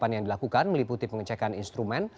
yang dilakukan meliputi pengecekan instrumen